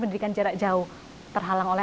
pendidikan jarak jauh terhalang oleh